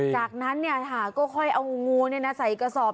จากนั้นเนี่ยค่ะก็ค่อยเอางูใส่กระสอบ